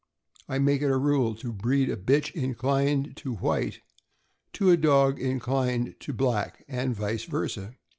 I make it a rule to breed a bitch inclined to white to a dog inclined to black, and vice versa.